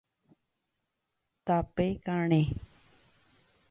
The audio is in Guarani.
Tape karẽ